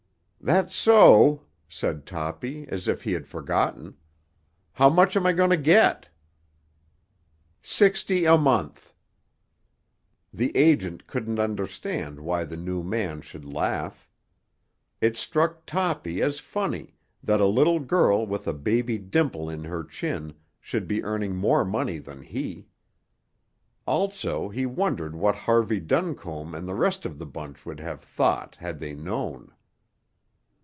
"That's so," said Toppy, as if he had forgotten. "How much am I going to get?" "Sixty a month." The agent couldn't understand why the new man should laugh. It struck Toppy as funny that a little girl with a baby dimple in her chin should be earning more money than he. Also, he wondered what Harvey Duncombe and the rest of the bunch would have thought had they known.